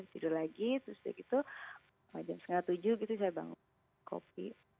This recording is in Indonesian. tidur lagi terus udah gitu jam setengah tujuh gitu saya bangun kopi